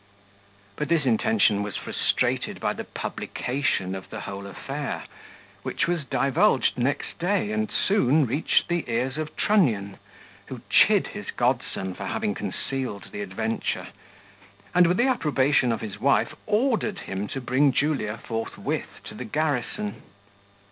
But this intention was frustrated by the publication of the whole affair, which was divulged next day, and soon reached the ears of Trunnion, who chid his godson for having concealed the adventure; and, with the approbation of his wife, ordered him to bring Julia forthwith to the garrison.